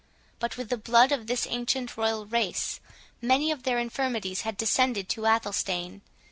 But with the blood of this ancient royal race, many of their infirmities had descended to Athelstane.